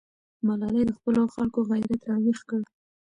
ملالۍ د خپلو خلکو غیرت راویښ کړ.